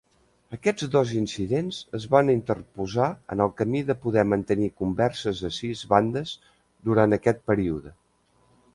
Aquests dos incidents es van interposar en el camí de poder mantenir converses a sis bandes durant aquest període.